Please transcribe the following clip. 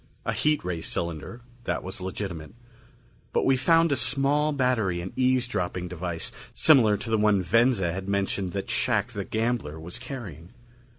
A heat ray cylinder that was legitimate. But we found a small battery and eavesdropping device similar to the one Venza had mentioned that Shac the gambler was carrying.